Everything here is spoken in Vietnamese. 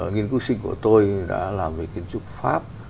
nghiên cứu sinh của tôi đã làm về kiến trúc pháp